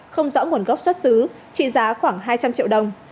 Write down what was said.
không rõ nguồn gốc xuất xứ trị giá khoảng hai trăm linh triệu đồng